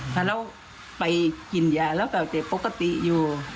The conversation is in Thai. ถ้าเราไปกินยาเราก็จะปกติอยู่